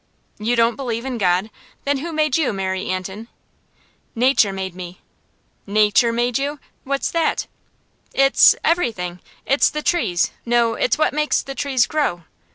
"You don't believe in God? Then who made you, Mary Antin?" "Nature made me." "Nature made you! What's that?" "It's everything. It's the trees no, it's what makes the trees grow.